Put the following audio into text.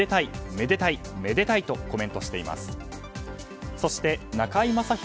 めでたい！とコメントしています。